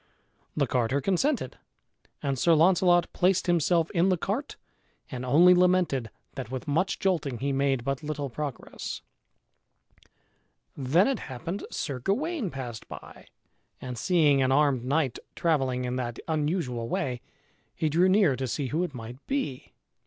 The carter consented, and Sir Launcelot placed himself in the cart and only lamented that with much jolting he made but little progress. Then it happened Sir Gawain passed by and seeing an armed knight travelling in that unusual way he drew near to see who it might be.